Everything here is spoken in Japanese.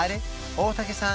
大竹さん